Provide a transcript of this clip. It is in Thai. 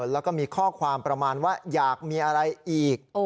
แล้วก็มีข้อความประมาณว่าอยากมีอะไรอีก